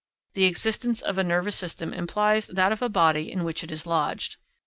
The existence of a nervous system implies that of a body in which it is lodged.